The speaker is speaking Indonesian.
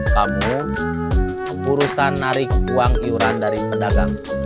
kamu urusan narik uang iuran dari pedagang